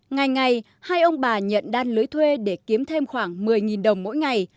ngày ngày hai ông bà nhận đan lưới thuê để kiếm thêm khoảng một mươi đồng mỗi ngày